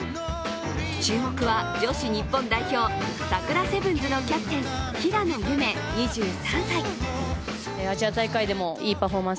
注目は女子日本代表、サクラセブンズのキャプテン・平野優芽２３歳。